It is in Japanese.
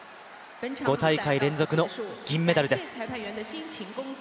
５大会連続の銀メダルです。